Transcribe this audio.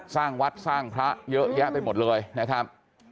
สร้างวัดสร้างพระเยอะแยะไปหมดเลยนะครับ